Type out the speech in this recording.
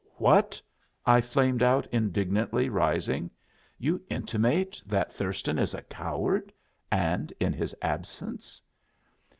"What!" I flamed out, indignantly rising; "you intimate that Thurston is a coward and in his absence?"